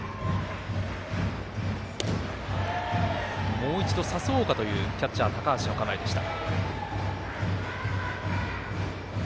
もう一度、誘おうかというキャッチャー、高橋の構えでした。